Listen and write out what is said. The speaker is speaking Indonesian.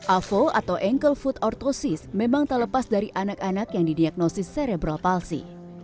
avo atau ankle food ortosis memang tak lepas dari anak anak yang didiagnosis serebral palsi